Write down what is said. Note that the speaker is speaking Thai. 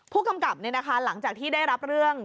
ผู้กำกับหลังจากที่ได้รับเรื่อง